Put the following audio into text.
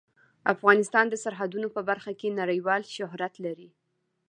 افغانستان د سرحدونه په برخه کې نړیوال شهرت لري.